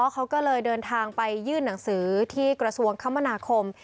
เขาก็เลยเดินทางไปยื่นหนังสือที่กระทรวงคมนาคม